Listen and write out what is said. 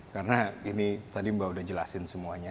karena ini tadi mba udah jelasin semuanya